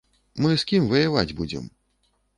Мы з кім ваяваць будзем?